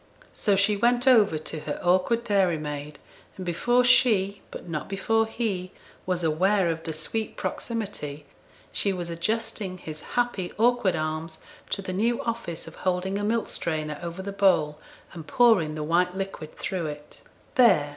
So she went over to her awkward dairymaid, and before she but not before he was aware of the sweet proximity, she was adjusting his happy awkward arms to the new office of holding a milk strainer over the bowl, and pouring the white liquid through it. 'There!'